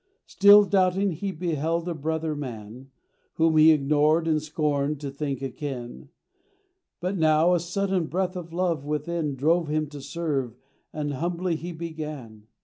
Still doubting he beheld a brother man, Whom he ignored and scorned to think akin; But now a sudden breath of love within Drove him to serve, and humbly he began.